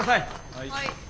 はい。